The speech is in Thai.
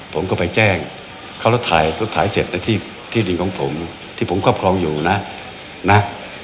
ผมก็ไปแจ้งเขาแล้วถ่ายรถถ่ายเสร็จแล้วที่ดินของผมที่ผมครอบครองอยู่นะนะ